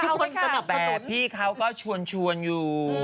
ทุกคนสนับสนแต่พี่เขาก็ชวนอยู่